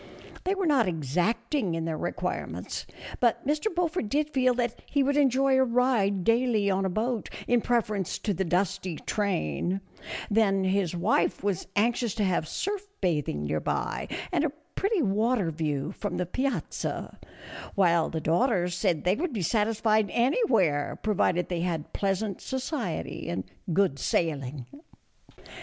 They were not exacting in their requirements, but Mr. Beaufort did feel that he would enjoy a ride daily on a boat, in preference to the dusty train ; then his wife was anxious to have surf bathing near by, and a pretty water view from the piazza ; while the daughters said they would be satisfied anywhere, provided they had pleasant society and good sailing.